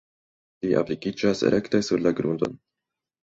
Ili aplikiĝas rekte sur la grundon.